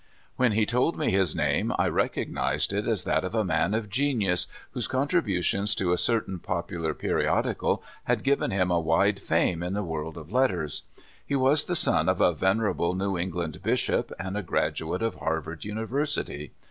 When he told me his name I recognized it as that of a man of genius, whose contributions to a certain popular periodical had given him a wide fame in the world of letters. He was the son of a venerable New England bishop, and a graduate of Harvard University.